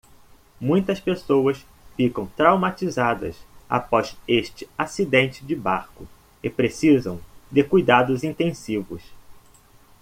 Muitas pessoas ficam traumatizadas após este acidente de barco e precisam de cuidados intensivos.